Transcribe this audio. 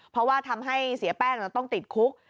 เพราะว่าทำให้เสียแป้งต้องติดคุก